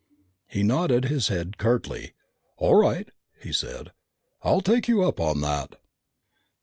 He nodded his head curtly. "All right," he said. "I'll take you up on that."